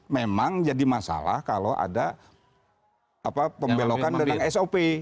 memang jadi masalah kalau ada pembelokan tentang sop